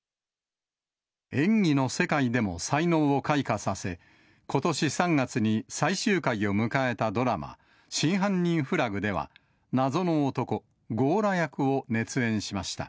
演技の世界でも才能を開花させ、ことし３月に最終回を迎えたドラマ、真犯人フラグでは、謎の男、強羅役を熱演しました。